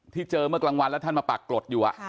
ที่เจอเมื่อกลางวันแล้วท่านมาปากกรดอยู่อ่ะ